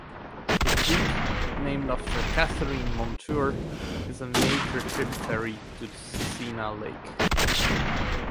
The creek, named after Catharine Montour, is a major tributary to Seneca Lake.